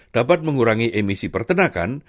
dapat mengurangi emisi pertenakan